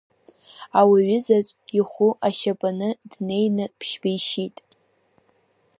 Ауаҩызаҵә Ихәы ашьапаны днеины ԥшьба ишьит.